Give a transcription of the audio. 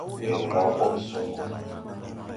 Ŋgel raw ɓɔʼ suŋgu.